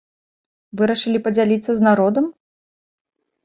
Вырашылі падзяліцца з народам?